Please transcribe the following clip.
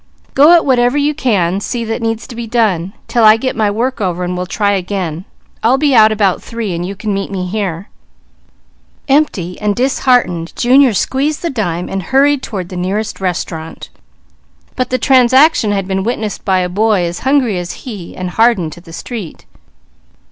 Go at whatever you can see that needs to be done, 'til I get my work over and we'll try again. I'll be out about three, and you can meet me here." Empty and disheartened Junior squeezed the dime and hurried toward the nearest restaurant. But the transaction had been witnessed by a boy as hungry as he, and hardened to the street.